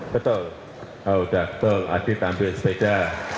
betul oh udah betul adik tampil sepeda